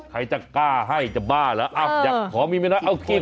ใครจะกล้าให้จะบ้าเหรออ้าวอยากขอมีเนื้อน้อยเอากี่คน